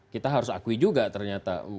kita harus akui juga ternyata